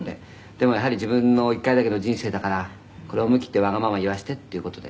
「でもやはり自分の一回だけの人生だからこれは思い切ってわがまま言わせてっていう事で」